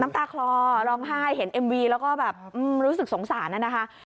ตาคลอร้องไห้เห็นเอ็มวีแล้วก็แบบรู้สึกสงสารนะคะ